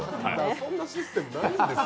そんなシステムないんですよ。